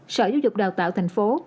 sở giáo dục đào tạo tp hcm